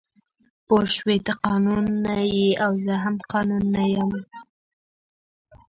پوه شوې ته قانون نه یې او زه هم قانون نه یم